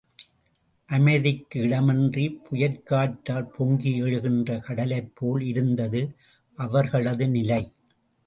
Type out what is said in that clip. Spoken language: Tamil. அமைதிக்கு இடமின்றிப் புயற் காற்றால் பொங்கியெழுகின்ற கடலைப்போல இருந்தது அவர்களது நிலை.